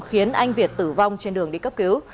khiến anh việt tử vong trên đường đi cấp cứu